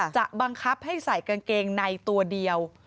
จะบังคับให้ใส่กางเกงในตัวเดียว